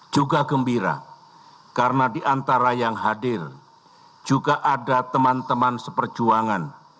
juga gembira karena di antara yang hadir juga ada teman teman seperjuangan